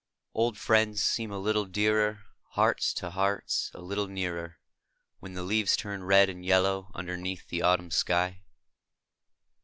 d Old 'friends seem a little dearer; Hearts to Hearts a little nearer, ( ADhen the leases turn red and Ljello^ Underneath the Autumn shij.